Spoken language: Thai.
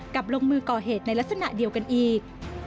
ลงมือก่อเหตุในลักษณะเดียวกันอีก